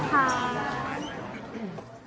ขอบคุณมากค่ะ